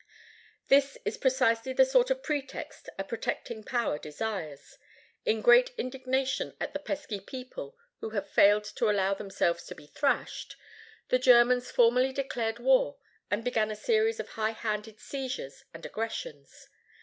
This is precisely the sort of pretext a "protecting" power desires. In great indignation at the pesky people who had failed to allow themselves to be thrashed, the Germans formally declared war, and began a series of high handed seizures and aggressions.